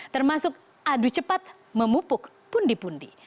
termasuk adu cepat memupuk pundi pundi